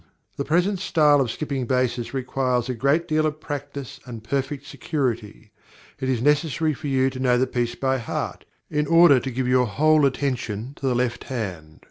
_" The present style of skipping basses requires a great deal of practice and perfect security; it is necessary for you to know the piece by heart, in order to give your whole attention to the left hand.